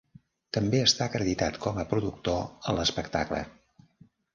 També està acreditat com a productor a l'espectacle.